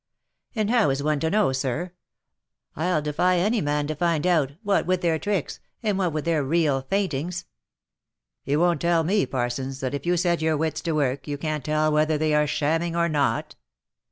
'* And how is one to know, sir ? I'll defy any man to find out, what with their tricks, and what with their real faintings." if You won't tell me, Parsons, that if you set your wits to work, you can't tell whether they are shamming or not?"